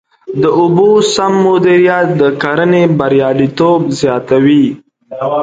د اوبو سم مدیریت د کرنې بریالیتوب زیاتوي.